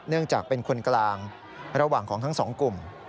จากเป็นคนกลางระหว่างของทั้งสองกลุ่ม